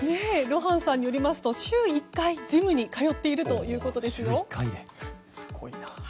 ロハンさんによりますと週１回ジムに通っているということですよ。